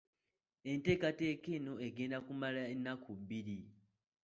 Enteekateeka eno egenda kumala ennaku bbiri